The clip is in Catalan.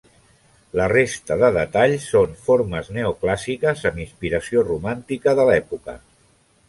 La resta de detalls són formes neoclàssiques amb inspiració romàntica de l'època.